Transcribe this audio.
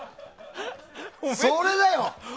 それだよ！